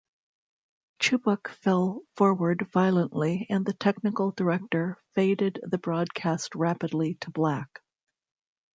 Chubbuck fell forward violently and the technical director faded the broadcast rapidly to black.